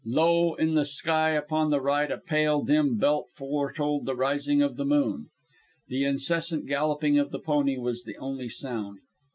Low in the sky upon the right a pale, dim belt foretold the rising of the moon. The incessant galloping of the pony was the only sound.